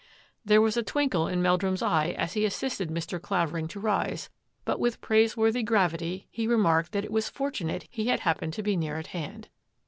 There was a twinkle in Meldrum's eye as he assisted Mr. Clavering to rise, but with praise worthy gravity he remarked that it was fortunate he had happened to be near at hand.